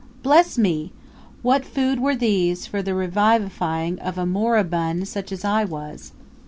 Bless me! what food were these for the revivifying of a moribund such as I was!